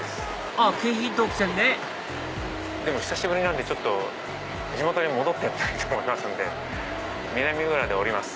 あっ京浜東北線ねでも久しぶりなんで地元に戻ってみたいと思いますんで南浦和で降ります。